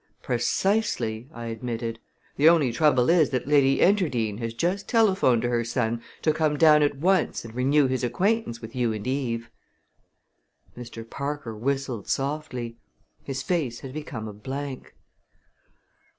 "Precisely," I admitted. "The only trouble is that Lady Enterdean has just telephoned to her son to come down at once and renew his acquaintance with you and Eve." Mr. Parker whistled softly. His face had become a blank.